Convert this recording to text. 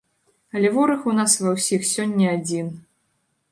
Але вораг у нас ва ўсіх сёння адзін.